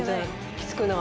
きつくない。